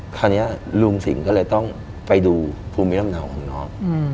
คราวนี้ลุงสิงห์ก็เลยต้องไปดูภูมิลำเนาของน้อง